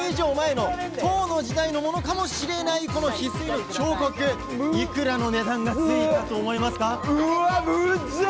１０００年以上前の唐の時代のものかもしれないヒスイの彫刻、いくらの値段がついたと思いますか？